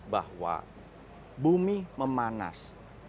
bahwa bumi memanas